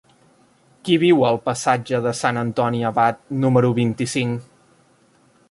Qui viu al passatge de Sant Antoni Abat número vint-i-cinc?